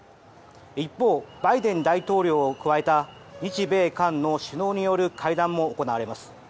一方、バイデン大統領を加えた日米韓の首脳による会談も行われます。